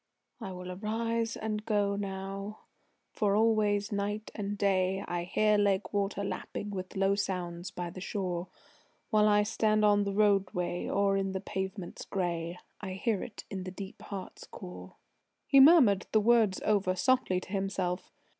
"I will arise and go now, for always night and day I hear lake water lapping with low sounds by the shore; While I stand on the roadway, or on the pavements gray, I hear it in the deep heart's core." He murmured the words over softly to himself.